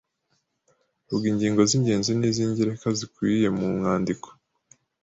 Vuga ingingo z’ingenzi n’iz’ingereka zikuiye mu mwandiko